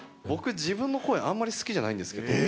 僕、自分の声、あんまり好きじゃないんですけど。